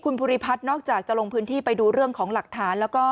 นั่นแหละ